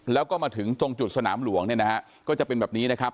แล้วก็มาถึงตรงจุดสนามหลวงเนี่ยนะฮะก็จะเป็นแบบนี้นะครับ